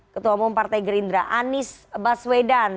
ketua umum partai gerindra anies baswedan